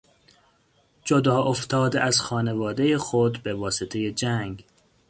جداافتاده از خانوادهی خود به واسطهی جنگ